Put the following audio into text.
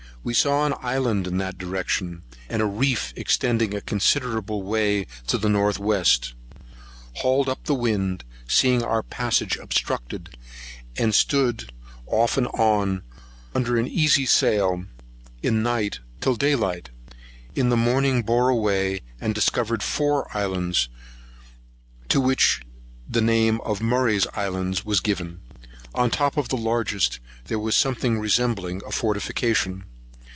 We saw an island in that direction, and a reef extending a considerable way to the north west. Hauled upon the wind, seeing our passage obstructed, and stood off and on, under an easy sail in the night, till daylight; and in the morning bore away, and discovered four islands, to which the name of Murray's Islands was given. On the top of the largest, there was something resembling a fortification.